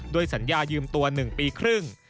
สัญญายืมตัว๑ปีครึ่ง